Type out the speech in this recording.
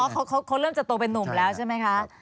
เขาเริ่มจะโตเป็นนุ่มแล้วใช่ไหมคะ